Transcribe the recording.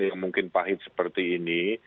yang mungkin pahit seperti ini